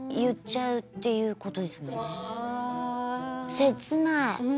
切ない。